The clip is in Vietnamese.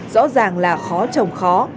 rõ ràng là khó chồng khó